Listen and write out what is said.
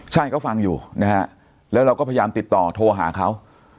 ใช่เขาฟังอยู่นะฮะแล้วเราก็พยายามติดต่อโทรหาเขา